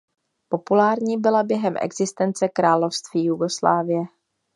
Populární byla během existence Království Jugoslávie.